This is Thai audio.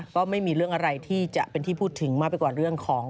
ก็ไม่มีเรื่องอะไรที่จะเป็นที่พูดถึงมากไปกว่าเรื่องของ